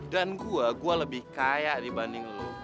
dan gua gua lebih kaya dibanding lo